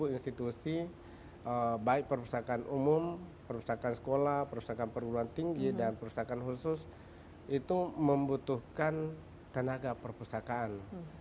satu institusi baik perpustakaan umum perpustakaan sekolah perpustakaan perguruan tinggi dan perpustakaan khusus itu membutuhkan tenaga perpustakaan